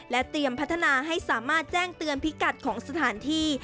เตรียมพัฒนาให้สามารถแจ้งเตือนพิกัดของสถานที่